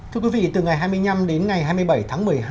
thưa quý vị từ ngày hai mươi năm đến ngày hai mươi bảy tháng một mươi hai